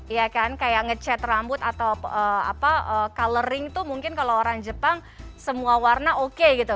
ya kan kayak nge chat rambut atau apa coloring tuh mungkin kalau orang jepang semua warna oke gitu